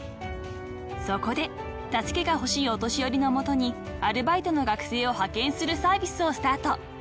［そこで助けがほしいお年寄りの元にアルバイトの学生を派遣するサービスをスタート］